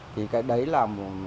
thì cái đấy là